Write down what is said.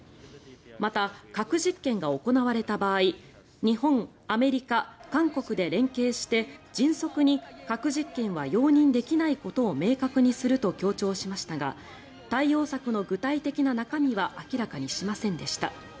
また、核実験が行われた場合日本、アメリカ、韓国で連携して迅速に核実験は容認できないことを明確にすると強調しましたが対応策の具体的な中身は明らかにしませんでした。